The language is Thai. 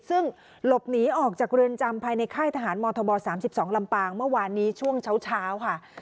ซึ่งหลบหนีออกจากเรือนจำภายในค่ายทหารมธบ๓๒ลำปางเมื่อวานนี้ช่วงเช้าค่ะ